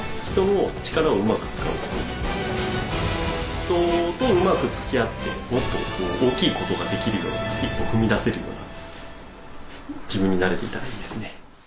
人とうまくつきあってもっと大きいことができるように一歩踏み出せるような自分になれていたらいいですね。